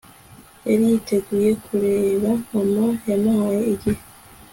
yari yiteguye kureba mama yamuhaye igihe